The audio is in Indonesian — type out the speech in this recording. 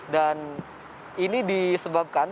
dan ini disebabkan